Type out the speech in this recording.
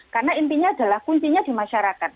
karena intinya adalah kuncinya di masyarakat